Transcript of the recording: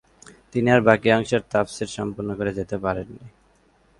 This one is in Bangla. তিনি আর বাকী অংশের তাফসির সম্পন্ন করে যেতে পারেননি ।